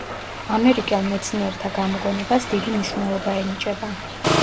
ამერიკელ მეცნიერთა გამოგონებას დიდი მნიშვნელობა ენიჭება.